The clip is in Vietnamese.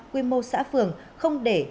quy mô xã phường không để